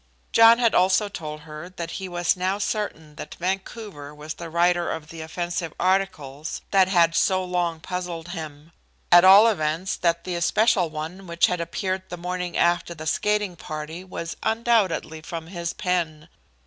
John had also told her that he was now certain that Vancouver was the writer of the offensive articles that had so long puzzled him; at all events that the especial one which had appeared the morning after the skating party was undoubtedly from his pen.